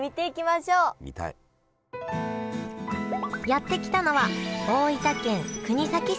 やって来たのは大分県国東市。